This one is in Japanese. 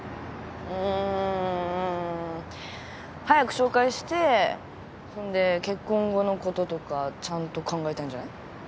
うーん。早く紹介してそんで結婚後のこととかちゃんと考えたいんじゃない。